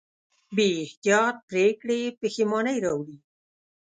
بېاحتیاطه پرېکړې پښېمانۍ راوړي.